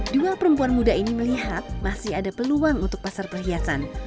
dua perempuan muda ini melihat masih ada peluang untuk pasar perhiasan